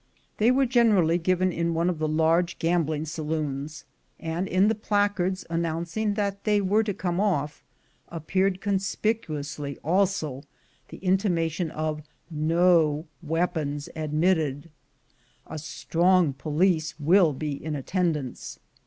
They were generally given in one of the large gambling saloons, and in the placards announcing that they were to come off, appeared conspicuously also the intimation of "No weapons admitted"; "A strong police will be in attendance."